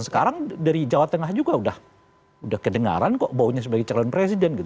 sekarang dari jawa tengah juga udah kedengaran kok